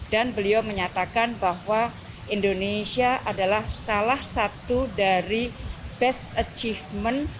dan beliau menyatakan bahwa indonesia adalah salah satu dari best achievement